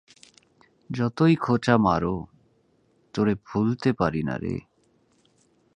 যতই খোচা মারো, তোরে ভোলতে পারি নারে।